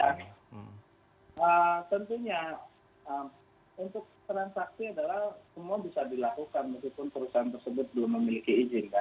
nah tentunya untuk transaksi adalah semua bisa dilakukan meskipun perusahaan tersebut belum memiliki izin kan